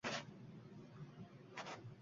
Tavakkal qilishning nima keragi bor